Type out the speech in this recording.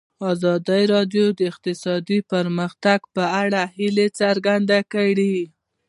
ازادي راډیو د اقتصاد د پرمختګ په اړه هیله څرګنده کړې.